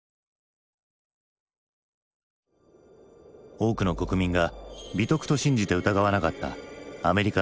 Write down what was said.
多くの国民が美徳と信じて疑わなかったアメリカの純粋さ。